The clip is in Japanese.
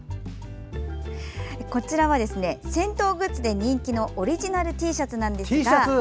こちらは銭湯グッズで人気のオリジナルＴシャツなんですが。